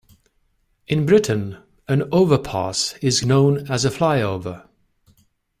In Britain, an overpass is known as a flyover